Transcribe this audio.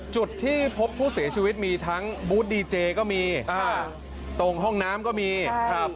จุดที่พบผู้เสียชีวิตมีทั้งบูธดีเจก็มีอ่าตรงห้องน้ำก็มีครับ